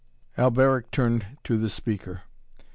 Alberic turned to the speaker.